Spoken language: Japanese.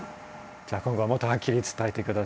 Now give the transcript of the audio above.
じゃあ今後はもっとはっきり伝えて下さい。